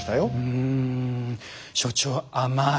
うん所長甘い。